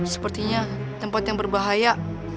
sepertinya tempat yang berbahaya